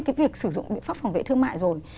cái việc sử dụng biện pháp phòng vệ thương mại rồi